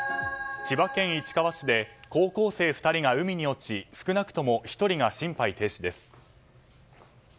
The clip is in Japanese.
千葉県市川市で高校生２人が海に落ち少なくとも１人が心肺停止です。